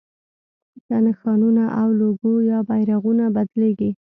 که نښانونه او لوګو یا بیرغونه بدلېږي.